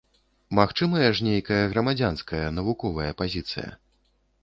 Магчымая ж нейкая грамадзянская, навуковая пазіцыя?